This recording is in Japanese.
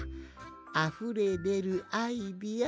あふれでるアイデア